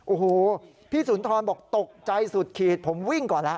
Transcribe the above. โอ้โหพี่สุนทรบอกตกใจสุดขีดผมวิ่งก่อนแล้ว